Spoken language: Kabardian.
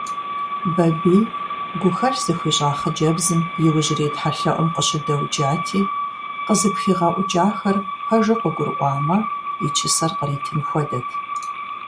Бабий гухэлъ зыхуищӀа хъыджэбзым иужьрей тхьэлъэӀум къыщыдэуджати, къызыпхигъэӀукӀахэр пэжу къыгурыӀуамэ, и чысэр къритын хуэдэт.